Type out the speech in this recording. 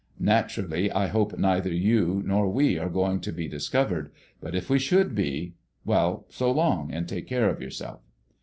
Naturally I hope neither you nor we are going to be discovered; but if we should be—well, so long and take care of yourself!"